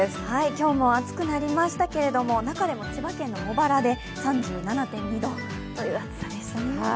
今日も暑くなりましたけれども中でも千葉県の茂原で３７．２度という暑さでしたね。